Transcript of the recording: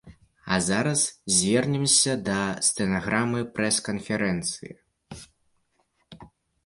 А зараз звернемся да стэнаграмы прэс-канферэнцыі.